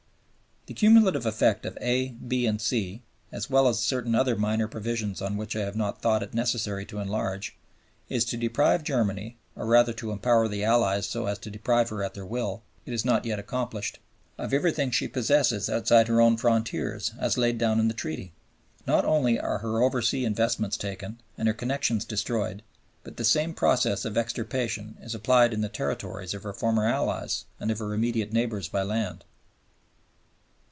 The cumulative effect of (a), (b), and (c) (as well as of certain other minor provisions on which I have not thought it necessary to enlarge) is to deprive Germany (or rather to empower the Allies so to deprive her at their will it is not yet accomplished) of everything she possesses outside her own frontiers as laid down in the Treaty. Not only are her oversea investments taken and her connections destroyed, but the same process of extirpation is applied in the territories of her former allies and of her immediate neighbors by land.